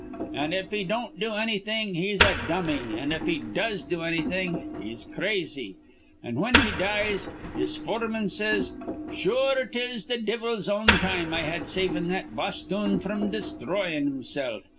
An', if he don't do annything, he's a dummy, an', if he does do annything, he's crazy; an' whin he dies, his foreman says: 'Sure, 'tis th' divvle's own time I had savin' that bosthoon fr'm desthroyin' himsilf.